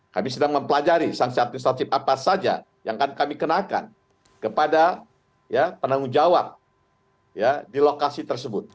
kami sedang mempelajari sanksi administratif apa saja yang akan kami kenakan kepada penanggung jawab di lokasi tersebut